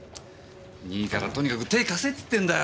いいからとにかく手貸せっつってんだよ。